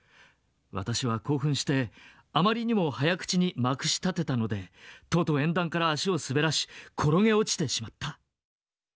私は興奮してあまりにも早口にまくしたてたのでとうとう演壇から足を滑らし転げ落ちてしまった」。